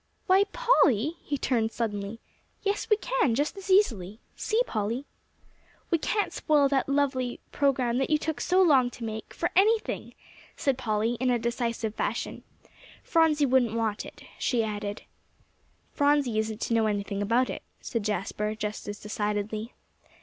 "Why, Polly," he turned suddenly "yes, we can just as easily. See, Polly." "We can't spoil that lovely program that took you so long to make, for anything," said Polly, in a decisive fashion. "Phronsie wouldn't want it," she added. "Phronsie isn't to know anything about it," said Jasper, just as decidedly.